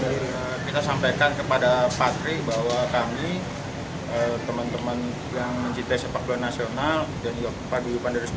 dan ada pelaku yang lebih tinggi selain johar